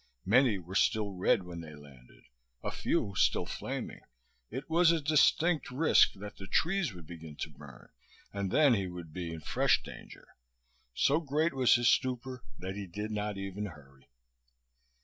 Many were still red when they landed, a few still flaming. It was a distinct risk that the trees would begin to burn, and then he would be in fresh danger. So great was his stupor that he did not even hurry.